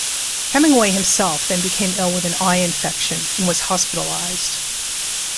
Hemingway himself then became ill with an eye infection and was hospitalized.